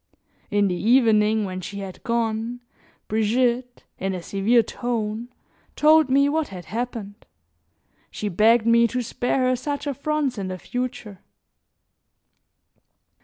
In the evening when she had gone, Brigitte, in a severe tone, told me what had happened; she begged me to spare her such affronts in the future.